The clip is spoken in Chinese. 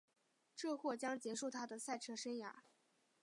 这或将结束她的赛车生涯。